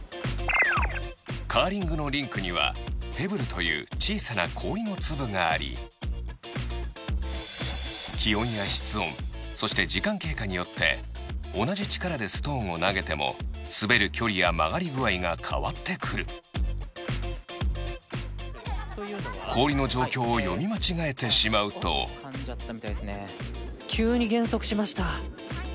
カーリングのリンクにはペブルという小さな氷の粒があり気温や室温そして時間経過によって同じ力でストーンを投げても滑る距離や曲がり具合が変わってくる氷の状況を読み間違えてしまうと実況：急に減速しました。